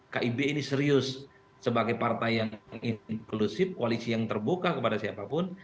kib ini serius sebagai partai yang inklusif koalisi yang terbuka kepada siapapun